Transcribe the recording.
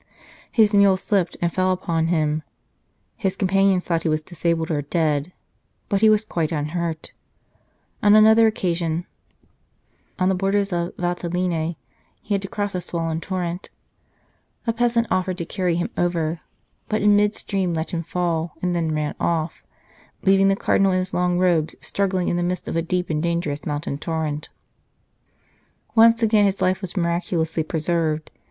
His mule slipped, and fell upon him. His companions thought he was disabled or dead, but he was quite unhurt. On another occasion, on the borders of the Valtelline, he had to cross a swollen torrent. A peasant offered to carry him over, but in mid stream let him fall, and then 93 St. Charles Borromeo ran off, leaving the Cardinal in his long robes struggling in the midst of a deep and dangerous mountain torrent. Once again his life was miraculously preserved.